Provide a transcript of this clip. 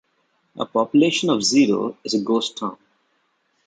A population of zero is a ghost town.